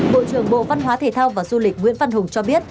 bộ trưởng bộ văn hóa thể thao và du lịch nguyễn văn hùng cho biết